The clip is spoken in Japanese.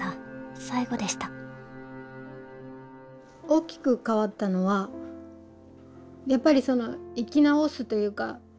大きく変わったのはやっぱりその生き直すというか小さな輪廻ですよね。